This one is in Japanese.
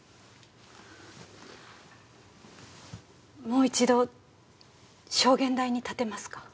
もう一度証言台に立てますか？